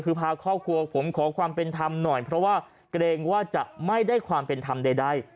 คือพาครอบครัวผมขอความเป็นธรรมหน่อยเพราะว่าเกรงว่าจะไม่ได้ความเป็นธรรมใด